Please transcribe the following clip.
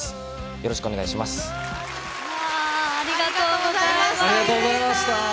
よろしくお願いします。